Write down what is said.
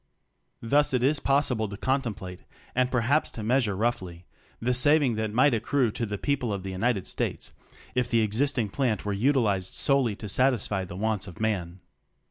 Thus it is possible to contemplate — and perhaps to meas ure roughly — the saving that might accrue to the people of the United States if the existing plant were utilized solely to satisfy the wants of man.